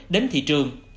đến thị trường